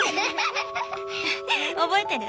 覚えてる？